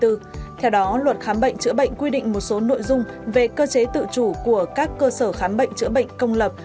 theo đó luật khám bệnh chữa bệnh quy định một số nội dung về cơ chế tự chủ của các cơ sở khám bệnh chữa bệnh công lập